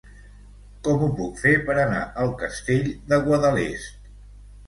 Com ho puc fer per anar al Castell de Guadalest?